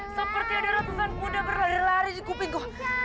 seperti ada ratusan muda berlari lari di kupiku